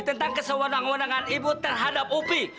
tentang kesewanan wanan ibu terhadap opi